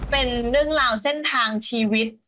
เป็นเรื่องราวเส้นทางชีวิต